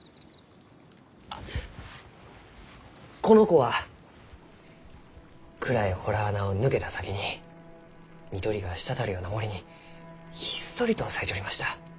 あこの子は暗い洞穴を抜けた先に緑が滴るような森にひっそりと咲いちょりました。